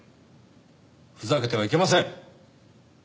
ふざけてはいけません。